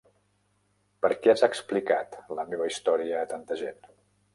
Per què has explicat la meva història a tanta gent?